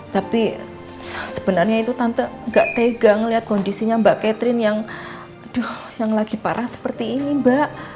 tapi sebenarnya itu tante tidak tegang melihat kondisinya mbak catherine yang lagi parah seperti ini mbak